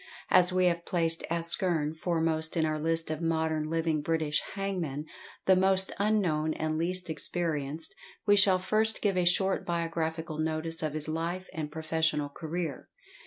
As we have placed ASKERN foremost in our list of modern living British hangmen, the most unknown and least experienced, we shall first give a short biographical notice of his life and professional career.